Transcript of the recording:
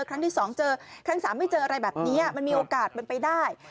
ครั้งที่๒เจอครั้งสามไม่เจออะไรแบบนี้มันมีโอกาสเป็นไปได้